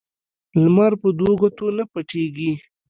لمرپه دوو ګوتو نه پټيږي